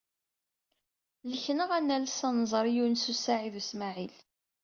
Lekneɣ ad nales ad nẓer Yunes u Saɛid u Smaɛil.